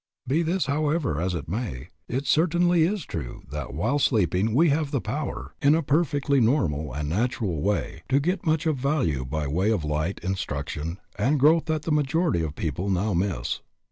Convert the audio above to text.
Be this, however, as it may, it certainly is true that while sleeping we have the power, in a perfectly normal and natural way, to get much of value by way of light, instruction, and growth that the majority of people now miss.